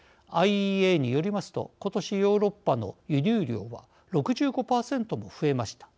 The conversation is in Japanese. ＩＥＡによりますと今年、ヨーロッパの輸入量は６５％も増えました。